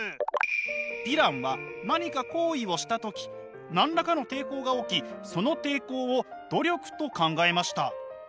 ビランは何か行為をした時何らかの抵抗が起きその抵抗を努力と考えました。